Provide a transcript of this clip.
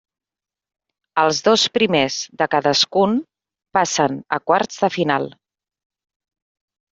Els dos primers de cadascun passen a quarts de final.